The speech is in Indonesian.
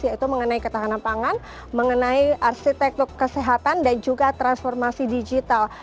yaitu mengenai ketahanan pangan mengenai arsitektur kesehatan dan juga transformasi digital